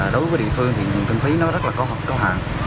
đối với địa phương nguyện phí rất là có hợp có hạn